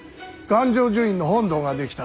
願成就院の本堂が出来た。